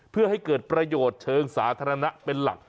เพื่อให้เกิดประโยชน์เชิงสาธารณะเป็นหลัก